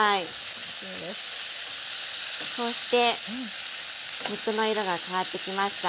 そうして肉の色が変わってきました。